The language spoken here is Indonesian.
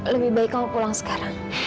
lebih baik kamu pulang sekarang